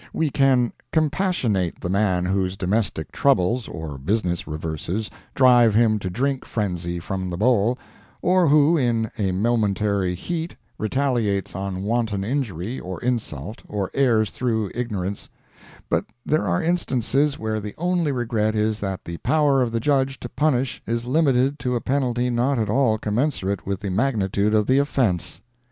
We can compassionate the man whose domestic troubles, or business reverses, drive him to drink frenzy from the bowl, or who, in a momentary heat, retaliates on wanton injury, or insult, or errs through ignorance; but there are instances where the only regret is that the power of the Judge to punish is limited to a penalty not at all commensurate with the magnitude of the offence.